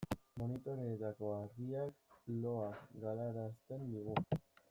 Monitoreetako argiak loa galarazten digu.